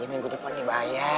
ya minggu depan nih bayar